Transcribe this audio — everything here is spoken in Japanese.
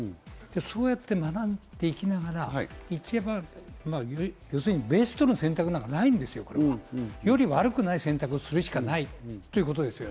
そうやって学んでいきながら、ベストの選択なんかないんですよ、これは。より悪くない選択をするしかないということです。